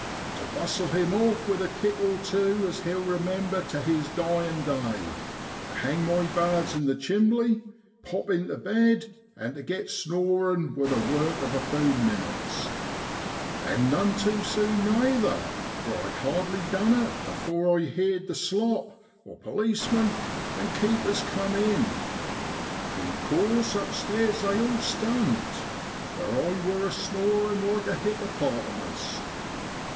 Tu bustle him off with a kick or tew as he'll remember tu his dyin' day, tu hang my bards in the chimbley (chimney), pop intu bed, and get tu snorin' wor the work of a few rninnets. An' 140 DECEMBER BROADLAND. none tu sune nayther, for I'd hardly dun it, afore I heerd the ' slop' (policeman) an' keepers cum in. In course upstairs they all stumped, where I wor a snorin' like a hipperpotamus.